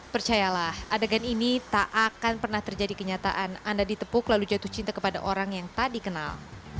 percayalah adegan ini tak akan pernah terjadi kenyataan anda ditepuk lalu jatuh cinta kepada orang yang tak dikenal